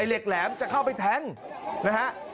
เหล็กแหลมจะเข้าไปแทงนะฮะ